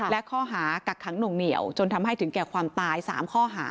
และข้อหากักขังหน่วงเหนียวจนทำให้ถึงแก่ความตาย๓ข้อหา